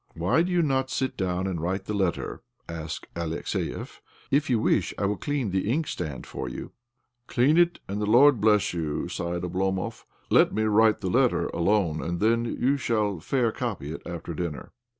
" Why do you not sit down and write the letter? " asked Alexiev. " If you wish I will clean the inkstand for you." " Clean it, and the Lord bless you !" OBLOMOV 57 sighed Oblomov. " Let me write the letter alone, and then you shall fair copy it after dinner."